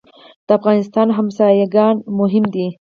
د افغانستان ګاونډیان مهم دي